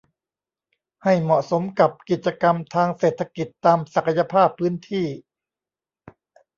ให้เหมาะสมกับกิจกรรมทางเศรษฐกิจตามศักยภาพพื้นที่